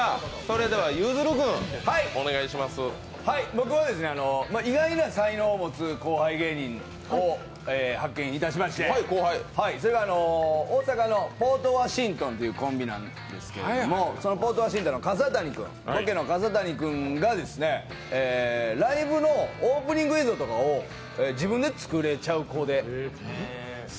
僕は意外な才能を持つ後輩芸人を発見いたしまして、それは大阪のポートワシントンというコンビなんですけど、そのポートワシントンのボケの笠谷君がライブのオープニング映像とかを自分で作れちゃう子で。